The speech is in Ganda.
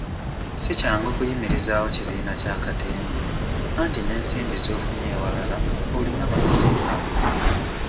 Si kyangu kuyimirizaawo kibiina kya katemba anti n'ensimbi z'ofunye ewalala olina ku ziteekamu.